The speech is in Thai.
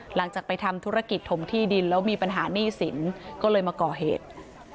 หลังจากไปทำธุรกิจถมที่ดินแล้วมีปัญหาหนี้สินก็เลยมาก่อเหตุ